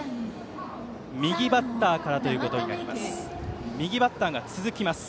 右バッターからということになります。